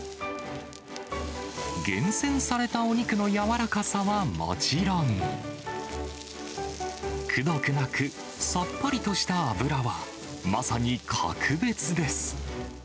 厳選されたお肉の柔らかさはもちろん、くどくなく、さっぱりとした脂は、まさに格別です。